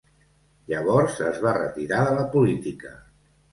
Llavors es va retirar de la política.